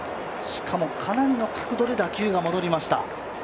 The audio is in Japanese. しかも、かなりの角度で打球が戻りました。